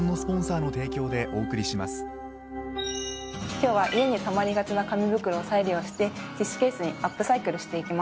今日は家にたまりがちな紙袋を再利用してティッシュケースにアップサイクルしていきます。